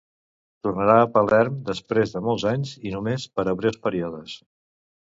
Tornarà a Palerm després de molts anys i només per a breus períodes.